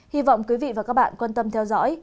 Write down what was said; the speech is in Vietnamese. hy vọng quý vị và các bạn quan tâm theo dõi